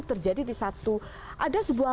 terjadi di satu ada sebuah